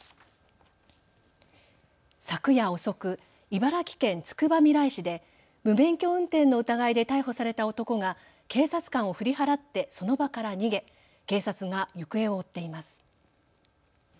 昨夜遅く、茨城県つくばみらい市で無免許運転の疑いで逮捕された男が警察官を振り払ってその場から逃げ、警察が行方を追っています。